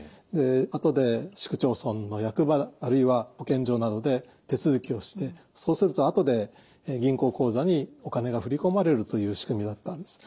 後で市区町村の役場あるいは保健所などで手続きをしてそうすると後で銀行口座にお金が振り込まれるという仕組みだったんです。